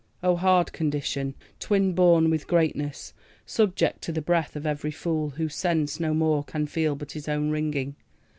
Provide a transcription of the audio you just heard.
O hard condition! twin born with greatness, Subject to the breath of every fool, whose sense No more can feel but his own wringing!